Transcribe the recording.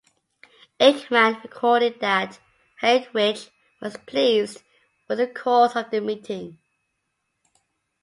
Eichmann recorded that Heydrich was pleased with the course of the meeting.